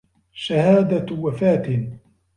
شهادة وفاة